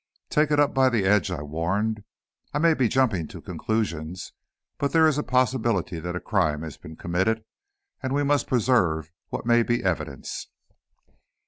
"Take it up by the edge," I warned; "I may be jumping to conclusions, but there is a possibility that a crime has been committed, and we must preserve what may be evidence."